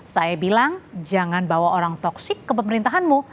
saya bilang jangan bawa orang toksik ke pemerintahanmu